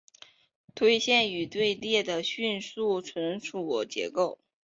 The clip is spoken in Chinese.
堆栈与队列的顺序存储结构